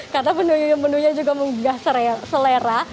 karena menunya juga tidak selera